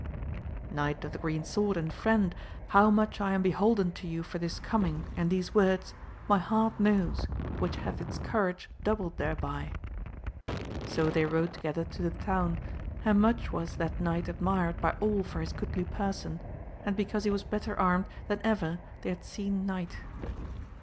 — Knight of the Green Sword and friend, how much I am beholden to you for this coming and these words, my heart knows VOL. n. 1^ 242 AMADIS OF GAUL. which hath its courage doubled thereby. So they, rode together to the town, and much was that knight admired by all for his goodly person, and because he was better armed than ever they had seen knight.